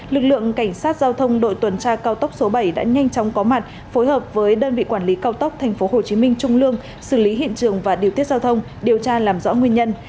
lực lượng cảnh sát giao thông đội tuần tra cao tốc số bảy đã nhanh chóng có mặt phối hợp với đơn vị quản lý cao tốc tp hcm trung lương xử lý hiện trường và điều tiết giao thông điều tra làm rõ nguyên nhân